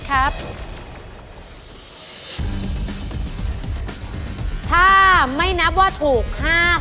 อุปกรณ์ทำสวนชนิดใดราคาถูกที่สุด